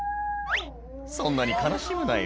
「そんなに悲しむなよ